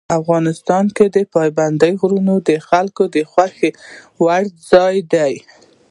افغانستان کې پابندی غرونه د خلکو د خوښې وړ ځای دی.